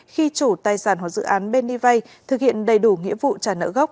khi chủ tài sản hoặc dự án bên đi vay thực hiện đầy đủ nghĩa vụ trả nợ gốc